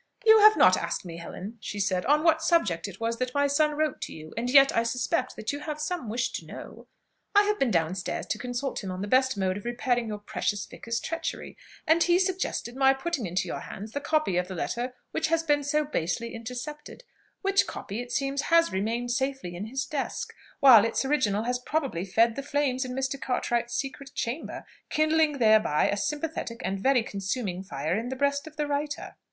"You have not asked me, Helen," she said, "on what subject it was that my son wrote to you; and yet I suspect that you have some wish to know. I have been down stairs to consult him on the best mode of repairing your precious vicar's treachery, and he suggested my putting into your hands the copy of the letter which has been so basely intercepted; which copy, it seems, has remained safely in his desk, while its original has probably fed the flames in Mr. Cartwright's secret chamber, kindling thereby a sympathetic and very consuming fire in the breast of the writer."